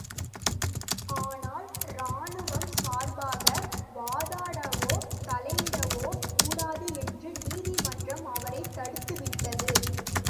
ஆனால், ராணுவம் சார்பாக வாதாடவோ, தலையிடவோ கூடாது என்று நீதிமன்றம் அவரைத் தடுத்துவிட்டது.